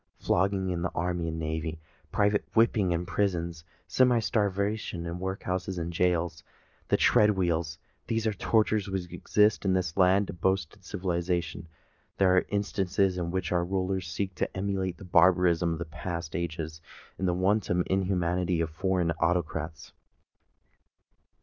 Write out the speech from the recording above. Flogging in the Army and Navy, private whipping in prisons, semi starvation in workhouses and gaols, and the tread wheel,—these are the tortures which exist in this land of boasted civilisation—these are the instances in which our rulers seek to emulate the barbarism of past ages and the wanton inhumanity of foreign autocrats!